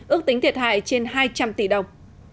ước tính thiệt hại trên hai trăm linh tỷ đồng